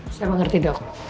ya saya mengerti dok